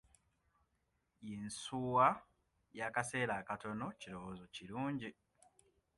Yinsuwa y'akaseera akatono kirowoozo kirungi?